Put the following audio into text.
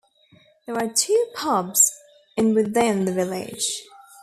There are two pubs in within the village.